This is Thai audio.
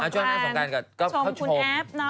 ช่วงหน้าคุณสงการชมคุณแอฟเนอะ